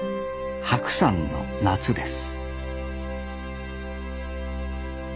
白山の夏です